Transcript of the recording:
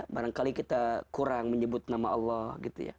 barangkali kita kurang menyebut nama allah